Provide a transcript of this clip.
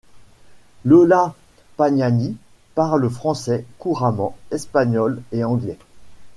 Lola Pagnani parle français couramment, espagnol et anglais.